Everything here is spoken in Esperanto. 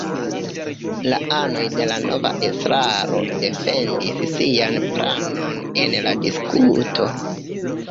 La anoj de la nova estraro defendis sian planon en la diskuto.